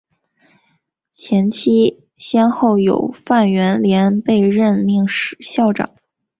早期先后有范源濂被任命校长。